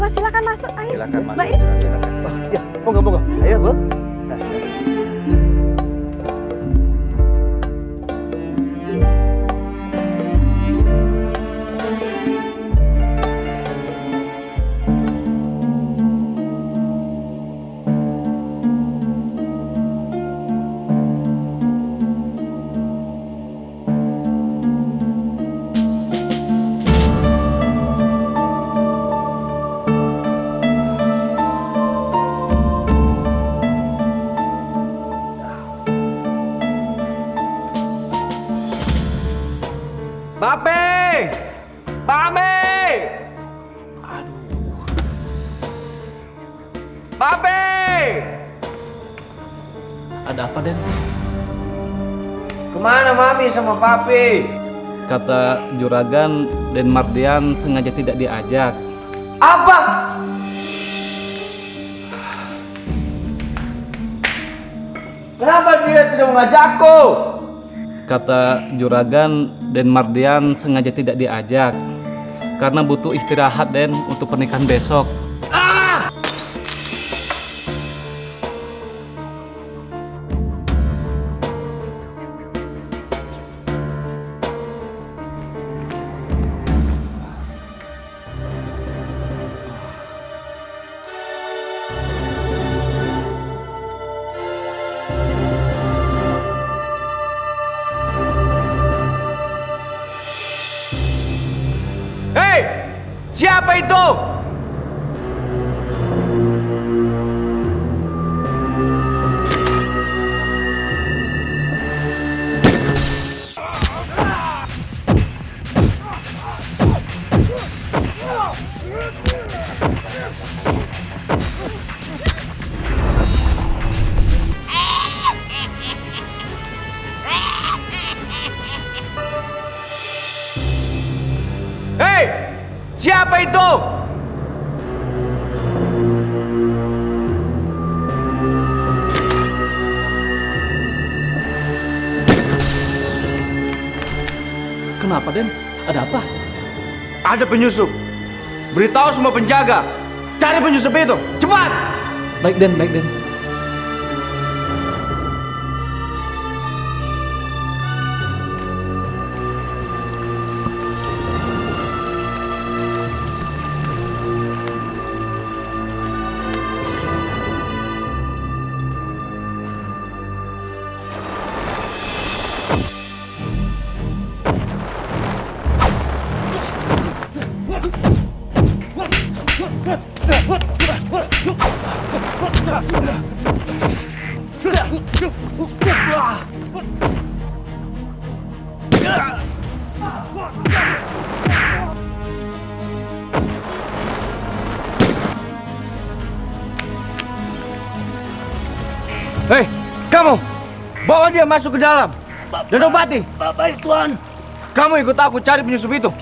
tidak ada yang bisa diberikan